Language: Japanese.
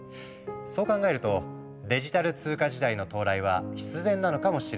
そう考えるとデジタル通貨時代の到来は必然なのかもしれないね。